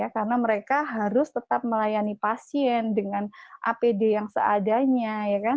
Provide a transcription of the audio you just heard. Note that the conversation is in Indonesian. karena mereka harus tetap melayani pasien dengan apd yang seadanya